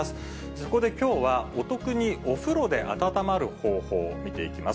そこできょうは、お得にお風呂で温まる方法、見ていきます。